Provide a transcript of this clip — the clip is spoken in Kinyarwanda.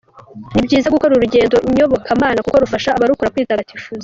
Ni byiza gukora urugendo nyobokamana kuko rufasha abarukora kwitagatifuza.